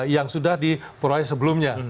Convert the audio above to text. yang sudah di proyek sebelumnya